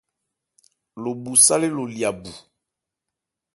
Lo bhu sálé lo lya bu.